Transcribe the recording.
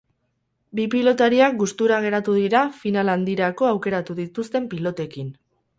Bi pilotariak gustura geratu dira final handirako aukeratu dituzten pilotekin.